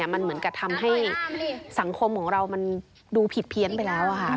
มันเหมือนกับทำให้สังคมของเรามันดูผิดเพี้ยนไปแล้วค่ะ